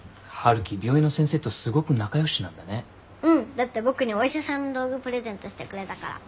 だって僕にお医者さんの道具プレゼントしてくれたから。